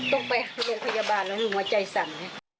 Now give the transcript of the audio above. ต้องไปเรียนพยาบาลแล้วหึงว่าใจสั่น